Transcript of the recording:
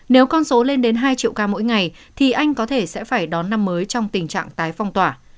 nếu con số lên đến hai triệu ca mỗi ngày thì anh có thể sẽ phải đón năm mới trong tình trạng tái phong tỏa